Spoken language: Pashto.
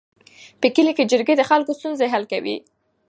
په کلي کې جرګې د خلکو ستونزې حل کوي.